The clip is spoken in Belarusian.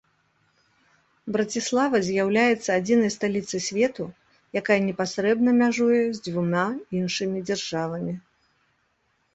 Браціслава з'яўляецца адзінай сталіцай свету, якая непасрэдна мяжуе з дзвюма іншымі дзяржавамі.